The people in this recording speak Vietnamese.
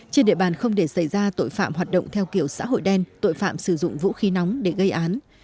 trên địa bàn không để xảy ra tội phạm hoạt động theo kiểu xã hội đen tội phạm sử dụng vũ khí nóng để gây án